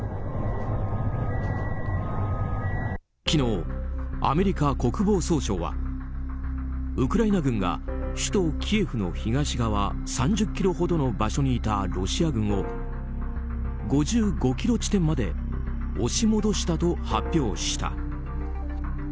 昨日、アメリカ国防総省はウクライナ軍が首都キエフの東側３０ｋｍほどの場所にいたロシア軍を５５ｋｍ地点まで押し戻したと発表した。